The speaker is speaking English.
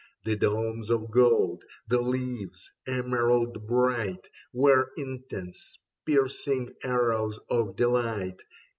The domes of gold, the leaves, emerald bright, Were intense, piercing arrows of delight.